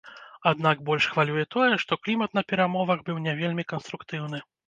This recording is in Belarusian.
Аднак больш хвалюе тое, што клімат на перамовах быў не вельмі канструктыўны.